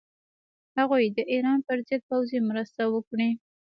هغوی د ایران پر ضد پوځي مرسته وکړي.